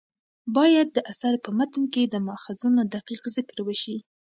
باید د اثر په متن کې د ماخذونو دقیق ذکر وشي.